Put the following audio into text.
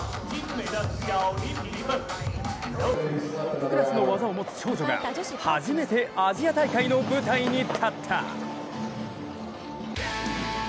世界トップクラスの技を持つ少女が初めてアジア大会の舞台の立った。